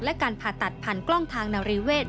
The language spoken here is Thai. และการผ่าตัดผ่านกล้องทางนาริเวศ